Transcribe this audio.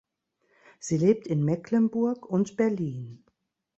Sie lebt in Mecklenburg und Berlin.